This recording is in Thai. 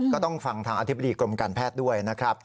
ก็ต้องฟังทางอธิบดีกรมการแพทย์ด้วยนะครับ